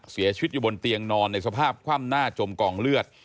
เสียชีวิตอยู่บนเตียงนอนในสภาพคว่ำหน้าจมกองเลือด